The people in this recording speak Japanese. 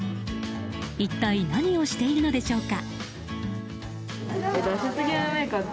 一体、何をしているのでしょうか。